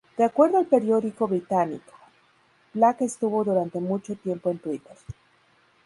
De acuerdo al periódico británico "The Independent", Black estuvo durante mucho tiempo en Twitter.